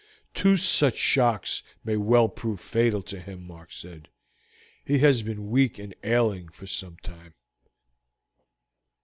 "Two such shocks might well prove fatal to him," Mark said; "he has been weak and ailing for some time."